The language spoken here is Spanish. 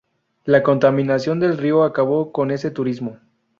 La contaminación del río acabó con ese turismo.